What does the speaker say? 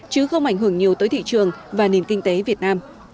chứ không ảnh hưởng nhiều tới thị trường và nền kinh tế việt nam